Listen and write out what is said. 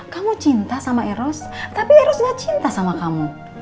kamu cinta sama eros tapi erosnya cinta sama kamu